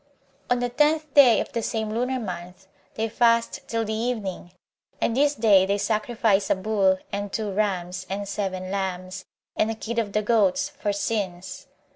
3. On the tenth day of the same lunar month, they fast till the evening; and this day they sacrifice a bull, and two rams, and seven lambs, and a kid of the goats, for sins.